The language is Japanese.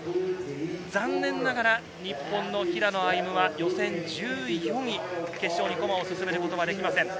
残念ながら日本の平野歩夢は予選１４位、決勝に駒を進めることはできません。